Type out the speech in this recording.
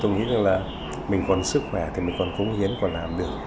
tôi nghĩ là mình còn sức khỏe thì mình còn cống hiến còn làm được